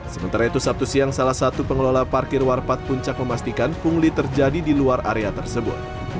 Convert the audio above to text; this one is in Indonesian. sementara itu sabtu siang salah satu pengelola parkir warpat puncak memastikan pungli terjadi di luar area tersebut